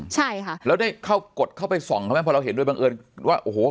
ใช่ค่ะแล้วได้เข้ากดเข้าไปส่องเขาไหมพอเราเห็นด้วยบังเอิญว่าโอ้โห